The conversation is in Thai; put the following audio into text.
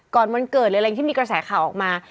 วันเกิดหรืออะไรที่มีกระแสข่าวออกมา